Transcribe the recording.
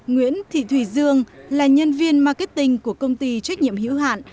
nguyễn thị thùy dương là nhân viên marketing của công ty trách nhiệm hữu hạn